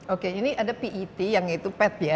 oke ini ada pet yang itu pet ya biasanya